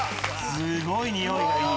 すごい匂いがいい！